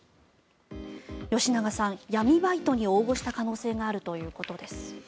吉永さん、闇バイトに応募した可能性があるということです。